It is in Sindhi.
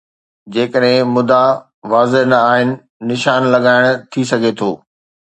جيڪڏهن مدعا واضح نه آهي، نشان لڳائڻ ٿي سگهي ٿو.